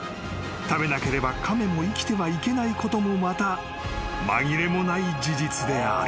［食べなければ亀も生きてはいけないこともまた紛れもない事実である］